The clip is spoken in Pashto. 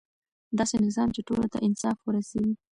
داسې نظام چې ټولو ته انصاف ورسوي.